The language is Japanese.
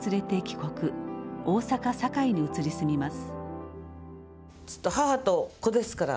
大阪・堺に移り住みます。